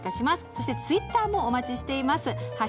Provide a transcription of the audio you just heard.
そして、ツイッターもお待ちしています。